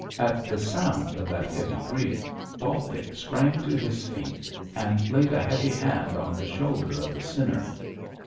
At the sound of that grief Baltic sprang to his feet and laid a heavy hand on the shoulder of the sinner.